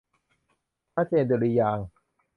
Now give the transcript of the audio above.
พระเจนดุริยางค์